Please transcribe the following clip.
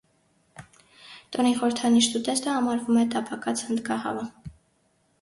Տոնի խորհրդանիշ ուտեստը համարվում է տապակած հնդկահավը։